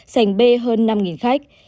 sảnh b hơn năm khách